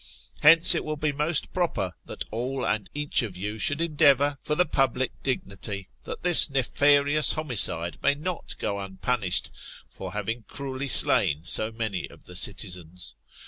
Hence it will be most proper, that all and each of you should endeavour, for the public dignity, that this nefarious homicide may not go unpunished, for having cruelly slain so many of the citizens.